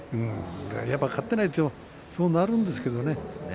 勝てないとそうなるんですけどね。